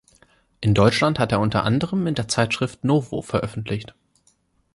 In Deutschland hat er unter anderem in der Zeitschrift Novo veröffentlicht.